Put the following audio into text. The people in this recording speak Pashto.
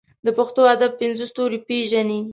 د پښتو ادب پنځه ستوري پېژنې.